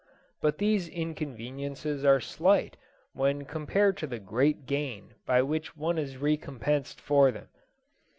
But these inconveniences are slight when compared to the great gain by which one is recompensed for them.